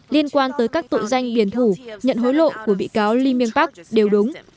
liên quan tới các tội danh biển thủ nhận hối lộ của bị cáo lee miên park đều đúng